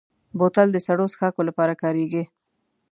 بوتل د سړو څښاکو لپاره کارېږي.